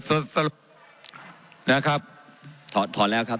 สรุปว่าผมขอให้พี่ปลาถอนดิครับนะครับถอนแล้วครับ